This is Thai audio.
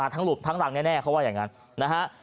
หลุบทั้งหลังแน่เขาว่าอย่างนั้นนะฮะ